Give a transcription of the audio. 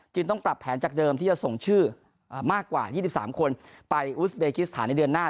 ต้องปรับแผนจากเดิมที่จะส่งชื่อมากกว่า๒๓คนไปอุสเบกิสถานในเดือนหน้า